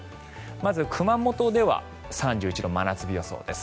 まず熊本では３１度、真夏日予想です。